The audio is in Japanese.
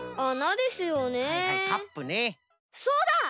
そうだ！